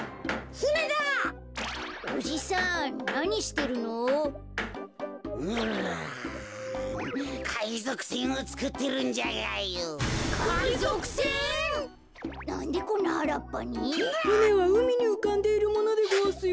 ふねはうみにうかんでいるものでごわすよ。